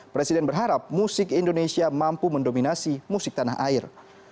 presiden berharap musik indonesia mampu mendominasi musik tanah air